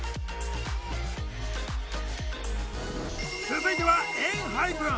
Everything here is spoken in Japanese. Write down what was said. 続いてはＥＮＨＹＰＥＮ。